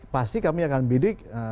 pasti kami akan bidik